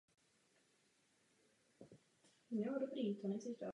V univerzálním systému zápisu jsou mléčné spodní střední řezáky označovány velkým písmenem.